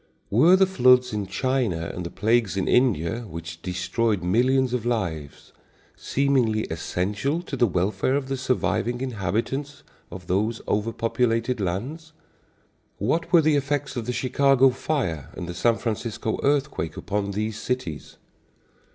Were the floods in China and the plagues in India, which destroyed millions of lives, seemingly essential to the welfare of the surviving inhabitants of those overpopulated lands? What were the effects of the Chicago fire and the San Francisco earthquake upon these cities?